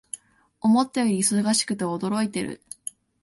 思ったより忙しくて驚いている